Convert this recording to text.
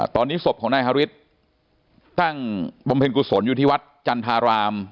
ตอนนี้ศพของนายฮาริสตั้งบำเพ็ญกุศลอยู่ที่วัดจันทราราม